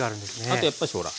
あとやっぱしほら